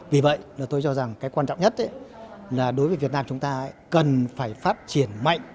vì vậy là tôi cho rằng cái quan trọng nhất là đối với việt nam chúng ta cần phải phát triển mạnh